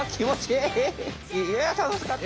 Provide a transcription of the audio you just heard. いやたのしかった！